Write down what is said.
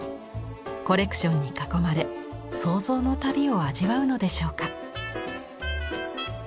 コレクションに囲まれ想像の旅を味わうのでしょうか。